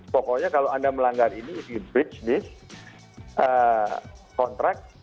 pokoknya kalau anda melanggar ini if you breach this contract